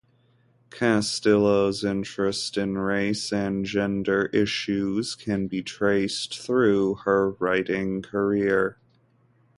Castillo's interest in race and gender issues can be traced throughout her writing career.